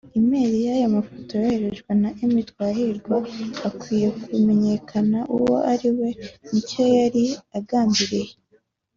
Email y’ayo mafoto yoherejwe na Emmy Twahirwa akwiye kumenyekana uwo ari we n’icyo yari agambiriye